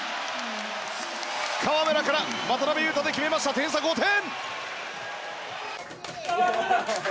河村から渡邊雄太で決めました点差、５点！